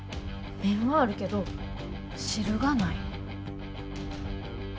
麺はあるけど汁がない。